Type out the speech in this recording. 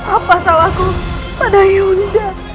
apa salahku pada yunda